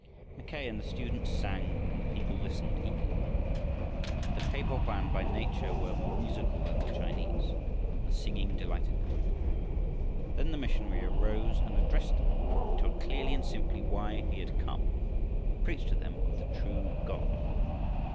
Mackay and the students sang and the people listened eagerly. The Pe po hoan by nature were more musical than the Chinese, and the singing delighted them. Then the missionary arose and addressed them. He told clearly and simply why he had come and preached to them of the true God.